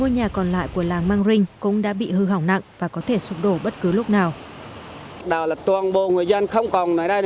một mươi một nhà còn lại của làng mang rinh cũng đã bị hư hỏng nặng và có thể sụp đổ bất cứ lúc nào